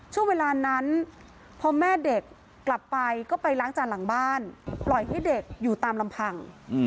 ช่วงเวลานั้นพอแม่เด็กกลับไปก็ไปล้างจานหลังบ้านปล่อยให้เด็กอยู่ตามลำพัง